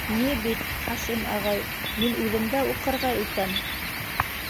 Ни бит, Хашим ағай, мин үҙем дә уҡырға итәм...